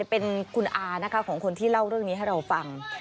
เป็นคุณอานะคะของคนที่เล่าเรื่องนี้ให้เราฟัง